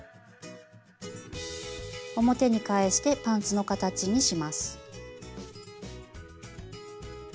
表に返してパンツの形にします。